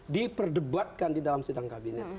diperdebatkan di dalam sidang kabinet